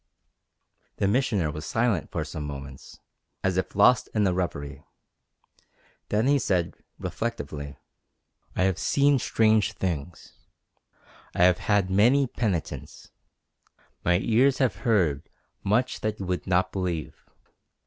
The Missioner was silent for some moments, as if lost in a reverie. Then he said, reflectively: "I have seen strange things. I have had many penitents. My ears have heard much that you would not believe.